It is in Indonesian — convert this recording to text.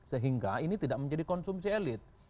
sehingga ini tidak menjadi konsumsi elit